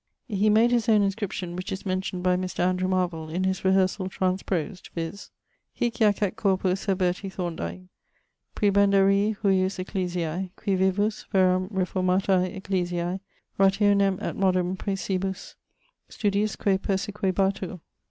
He made his own inscription which is mentioned by Mr. Andrew Marvell in his Rehearsall Transpros'd, viz.: Hic jacet corpus Herberti Thorndike praebendarii hujus ecclesiae, qui vivus veram Reformatae Ecclesiae rationem et modum precibus studiisque persequebatur.